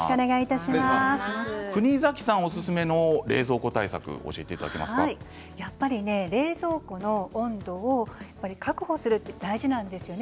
国崎さんおすすめの冷蔵庫対策をやっぱり冷蔵庫の温度を確保するって、大事なんですね。